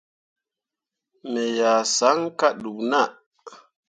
Me yah saŋ kah ɗuu naa.